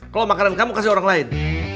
kalau makanan kamu kasih orang lain